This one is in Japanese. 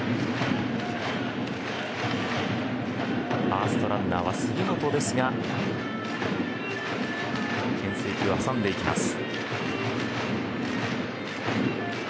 ファーストランナーは杉本ですがけん制球を挟んでいきます。